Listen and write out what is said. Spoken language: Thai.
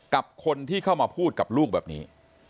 กับคนที่เข้ามาพูดกับลูกแบบนี้